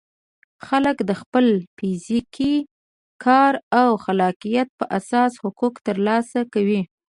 خلک د خپل فزیکي کار او خلاقیت په اساس حقوق ترلاسه کوي.